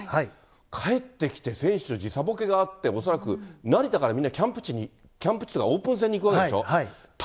帰ってきて、選手、時差ボケがあって、恐らく成田からみんなキャンプ地に、キャンプ地というかオープン戦に行くわけでしょ。